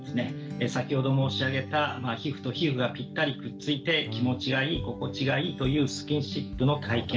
先ほど申し上げた皮膚と皮膚がぴったりくっついて気持ちがいい心地がいいというスキンシップの体験